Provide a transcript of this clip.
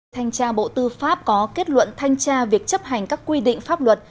thanh tra bộ tư pháp có kết luận thanh tra việc chấp hành các quy định pháp luật